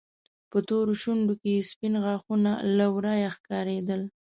په تورو شونډو کې يې سپين غاښونه له ورايه ښکارېدل.